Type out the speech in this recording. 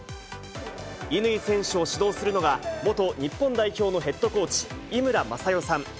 乾選手を指導するのが、元日本代表のヘッドコーチ、井村雅代さん。